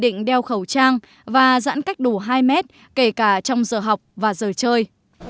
quy định đeo khẩu trang và giãn cách đủ hai mét kể cả trong giờ học và giờ chơi